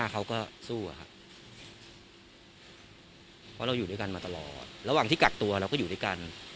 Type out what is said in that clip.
เราอยู่ด้วยกันมาตลอดระหว่างที่กัดตัวเราก็อยู่ด้วยกัน